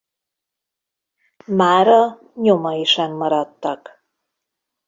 Mára nyomai sem maradtak.